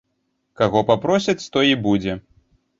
Каго папросяць, той і будзе.